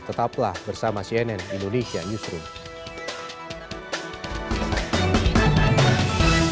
tetaplah bersama kita di sianek indonesia newsroom